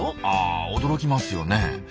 あ驚きますよね。